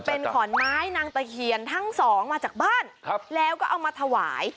เป็นขอนไม้นางตะเคียนทั้งสองมาจากบ้านแล้วก็เอามาถวาย